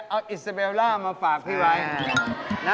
เอาอิสเบลล่ามาฝากพี่ไว้